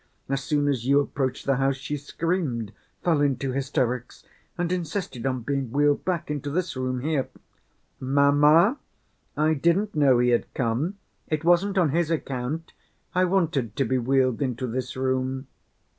As soon as you approached the house, she screamed, fell into hysterics, and insisted on being wheeled back into this room here." "Mamma, I didn't know he had come. It wasn't on his account I wanted to be wheeled into this room."